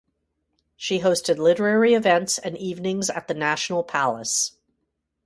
She hosted literary events and evenings at the National Palace.